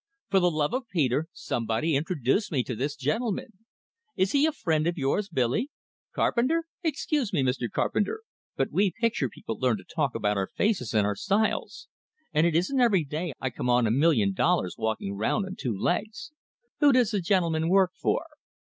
For the love of Peter, somebody introduce me to this gentleman. Is he a friend of yours, Billy? Carpenter? Excuse me, Mr. Carpenter, but we picture people learn to talk about our faces and our styles, and it isn't every day I come on a million dollars walking round on two legs. Who does the gentleman work for?"